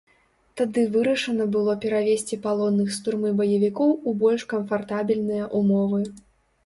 Тады вырашана было перавесці палонных з турмы баевікоў у больш камфартабельныя ўмовы.